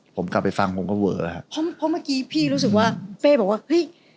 ผมกลับไปฟังผมก็เวอะครับเพราะเมื่อกี้พี่รู้สึกว่าเป้บอกว่าเฮ้ย